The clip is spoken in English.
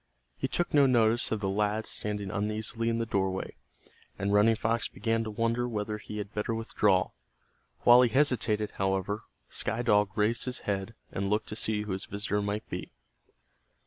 He took no notice of the lad standing uneasily in the doorway, and Running Fox began to wonder whether he had better withdraw. While he hesitated, however, Sky Dog raised his head and looked to see who his visitor might be.